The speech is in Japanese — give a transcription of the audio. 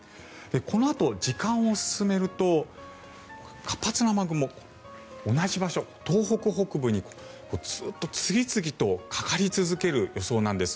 このあと時間を進めると活発な雨雲同じ場所、東北北部にずっと次々とかかり続ける予想なんです。